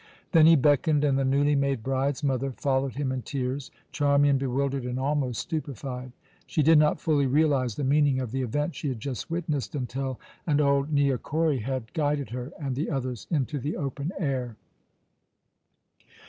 Then he beckoned, and the newly made bride's mother followed him in tears, Charmian bewildered and almost stupefied. She did not fully realize the meaning of the event she had just witnessed until an old neokori had guided her and the others into the open air.